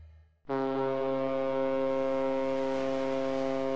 うん。